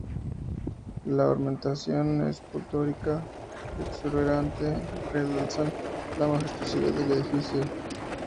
La ornamentación escultórica exuberante realzan la majestuosidad del edificio.